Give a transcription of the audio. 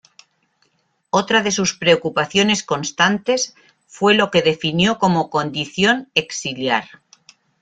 Otra de sus preocupaciones constantes fue lo que definió como Condición Exiliar.